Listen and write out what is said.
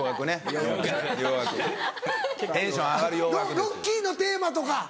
『ロッキー』のテーマとか。